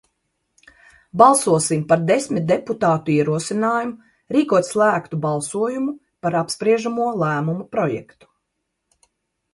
Balsosim par desmit deputātu ierosinājumu rīkot slēgtu balsojumu par apspriežamo lēmuma projektu!